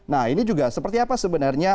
nah ini juga seperti apa sebenarnya